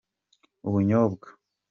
ubunyobwa.